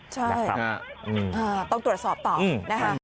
ใช่ต้องตรวจสอบต่อนะครับ